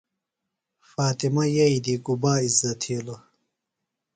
فاطمہ یئییۡ دی گُبا اِزدہ تِھیلوۡ؟